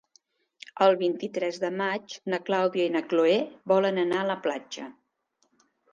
El vint-i-tres de maig na Clàudia i na Cloè volen anar a la platja.